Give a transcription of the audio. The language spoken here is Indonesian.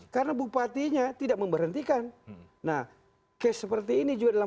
karena bupatinya tidak memberhentikan nah kes seperti ini juga dalam